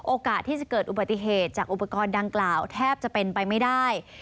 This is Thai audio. โอกาสที่จะเกิดอุบัติเหตุจากอุปกรณ์ดังกล่าวแทบจะเป็นไปไม่ได้